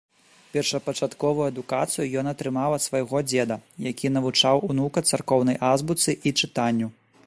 Першапачатковую адукацыю ён атрымаў ад свайго дзеда, які навучаў унука царкоўнай азбуцы і чытанню.